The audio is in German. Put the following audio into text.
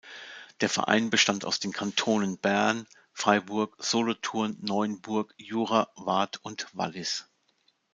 Der Verein bestand aus den Kantonen Bern, Freiburg, Solothurn, Neuenburg, Jura, Waadt und Wallis.